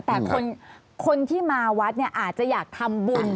แต่คนที่มาวัดเนี่ยอาจจะอยากทำบุญ